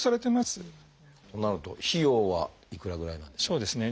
となると費用はいくらぐらいなんでしょう？